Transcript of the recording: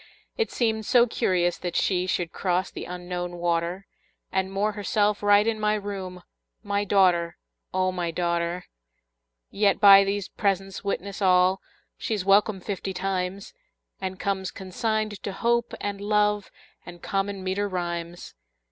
It seemed so curious that she Should cross the Unknown water, And moor herself right in my room, My daughter, O my daughter! Yet by these presents witness all She's welcome fifty times, And comes consigned to Hope and Love And common meter rhymes.